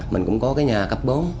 mình cũng có cái nhà cấp bốn